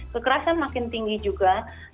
kekerasan makin tinggi juga